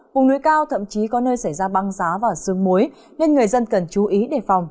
vùng núi cao thậm chí có nơi xảy ra băng giá và sương muối nên người dân cần chú ý đề phòng